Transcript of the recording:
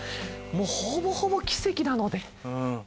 ほぼほぼ奇跡なので。